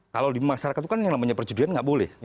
kalau di masyarakat itu kan yang namanya perjudian nggak boleh